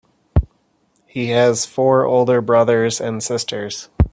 He has four older brothers and sisters.